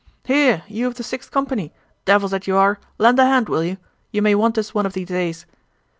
"Here, you of the Sixth Company! Devils that you are! Lend a hand... will you? You may want us one of these days."